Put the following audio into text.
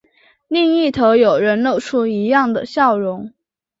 另一头有人露出一样的笑容